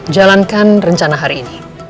jalankan rencana hari ini